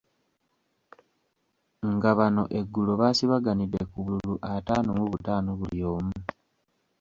Nga bano eggulo baasibaganidde ku bululu ataano mu butaano buli omu.